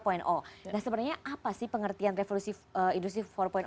nah sebenarnya apa sih pengertian revolusi industri empat